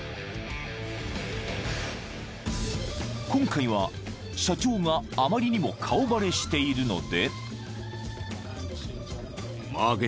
［今回は社長があまりにも顔バレしているので］